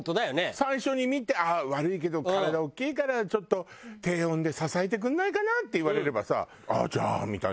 最初に見て「ああ悪いけど体大きいからちょっと低音で支えてくれないかな？」って言われればさ「ああじゃあ」みたいな。